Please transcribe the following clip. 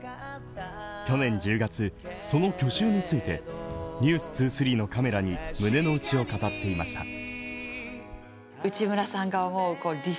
去年１０月、その去就について「ｎｅｗｓ２３」のカメラに胸の内を語っていました